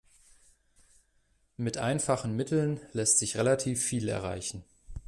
Mit einfachen Mitteln lässt sich relativ viel erreichen.